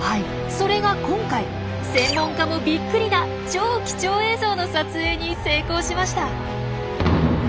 それが今回専門家もびっくりな超貴重映像の撮影に成功しました。